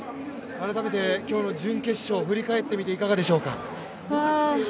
改めて今日の準決勝、振り返ってみていかがでしょうか？